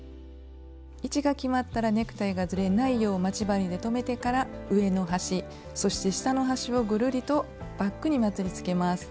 位置が決まったらネクタイがずれないよう待ち針で留めてから上の端そして下の端をぐるりとバッグにまつりつけます。